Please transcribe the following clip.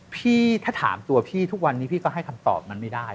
พี่ถ้าถามตัวพี่ทุกวันนี้พี่ก็ให้คำตอบนั้นไม่ได้